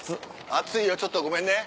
暑いよちょっとごめんね。